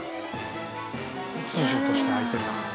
突如として開いてるな。